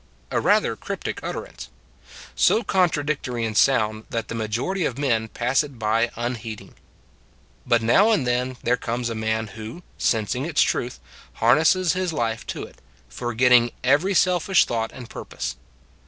A rather cryptic utterance; so contra dictory in sound that the majority of men pass it by unheeding. But now and then there comes a man who, sensing its truth, harnesses his life to it, forgetting every selfish thought and purpose.